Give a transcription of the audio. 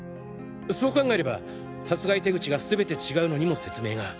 そう考えれば殺害手口が全て違うのにも説明が。